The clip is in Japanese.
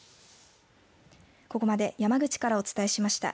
ここまで山口からお伝えしました。